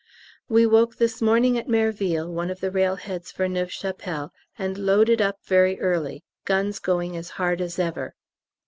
We woke this morning at Merville, one of the railheads for Neuve Chapelle, and loaded up very early guns going as hard as ever.